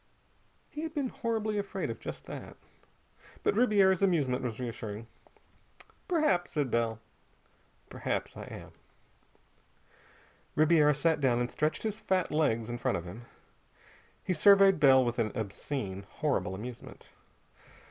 He had been horribly afraid of just that. But Ribiera's amusement was reassuring. "Perhaps," said Bell. "Perhaps I am." Ribiera sat down and stretched his fat legs in front of him. He surveyed Bell with an obscene, horrible amusement.